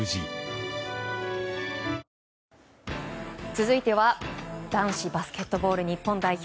続いては男子バスケットボール日本代表。